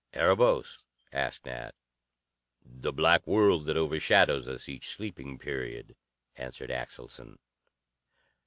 "Erebos?" asked Nat. "The black world that overshadows us each sleeping period," answered Axelson.